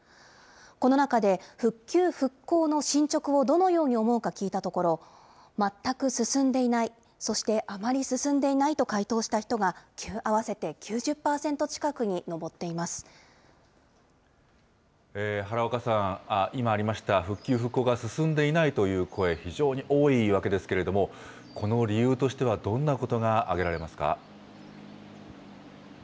この中で、復旧・復興の進捗をどのように思うか聞いたところ、全く進んでいない、そしてあまり進んでいないと回答した人が合わせて９０％近くに上原岡さん、今ありました復旧・復興が進んでいないという声、非常に多いわけですけれども、この理由としてはどんなことが挙げられますか。